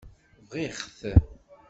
Bɣiɣ-t.